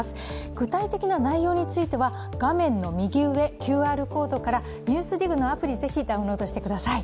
具体的な内容については、画面右上のＱＲコードから「ＮＥＷＳＤＩＧ」のアプリを、ぜひダウンロードしてください。